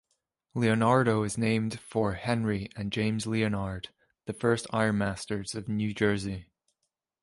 Leonardo is named for Henry and James Leonard, the first ironmasters of New Jersey.